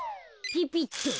ピピッと。